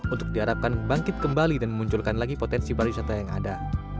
untuk diharapkan bangkit kembali dan memunculkan lagi potensi pariwisata yang ada